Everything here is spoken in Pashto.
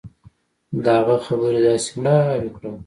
د هغه خبرې داسې مړاوى کړم.